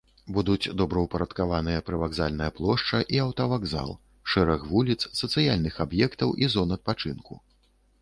Будуць добраўпарадкаваныя прывакзальная плошча і аўтавакзал, шэраг вуліц, сацыяльных аб'ектаў і зон адпачынку.